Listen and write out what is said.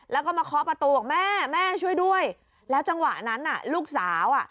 แล้วก็มาเคาะประตูบอกแม่แม่ช่วยด้วยแล้วจังหวะนั้นน่ะลูกสาวอ่ะ